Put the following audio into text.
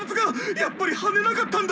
やっぱり羽なかったんだ！